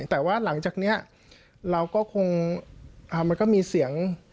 แต่ว่าหลังจากนี้เราก็คงมันก็มีเสียง